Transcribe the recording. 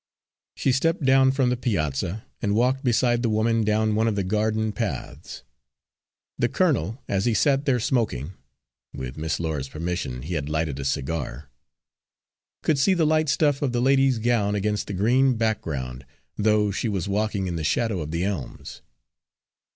She stepped down from the piazza, and walked beside the woman down one of the garden paths. The colonel, as he sat there smoking with Miss Laura's permission he had lighted a cigar could see the light stuff of the lady's gown against the green background, though she was walking in the shadow of the elms.